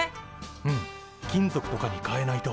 うん金属とかにかえないと。